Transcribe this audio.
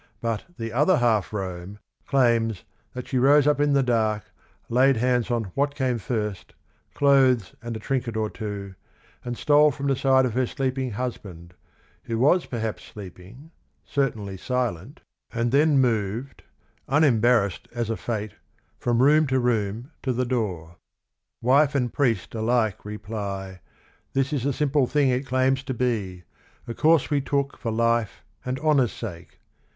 B ut The Ot her Half Rome claims that she rose u p in the d ark, laid hands on what came first, "clothes and a trinket or two," and stole from the side of her sleeping husband (who was perhaps sleeping, certainly silent), and then moved " unem barrassed as a fate" from room to room, to the door. "Wife and priest alike reply '. This is the simple thing it claims to be, A course we took for life and honour's sake